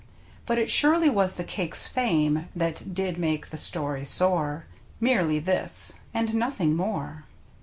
But it surely was the Cake's fame that did make the story soar — Merely this, and nothing more.